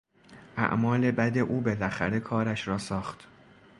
اعمال بد او بالاخره کارش را ساخت.